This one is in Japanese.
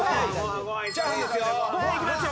ご飯いきますよ